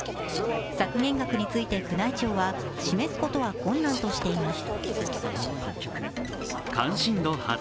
削減額について宮内庁は、示すことは困難としています。